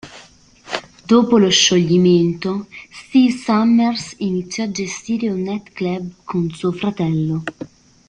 Dopo lo scioglimento, Steve Summers iniziò a gestire un night club con suo fratello.